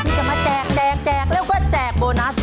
ที่จะมาแจกแดงแจกแล้วก็แจกโบนัส